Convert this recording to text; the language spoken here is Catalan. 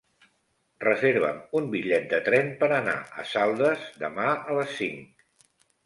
Reserva'm un bitllet de tren per anar a Saldes demà a les cinc.